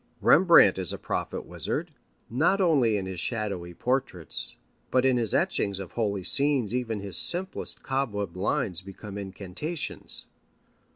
Rembrandt is a prophet wizard, not only in his shadowy portraits, but in his etchings of holy scenes even his simplest cobweb lines become incantations.